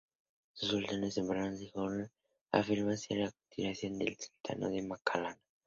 Los Sultanes tempranas de Johor afirmó ser una continuación del Sultanato de Malaca.